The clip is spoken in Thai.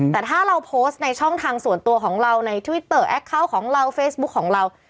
แต่ถ้าเราโพสต์ในช่องทางส่วนตัวของเราในทวิตเตอร์แอคเคาน์ของเราเฟซบุ๊คของเรา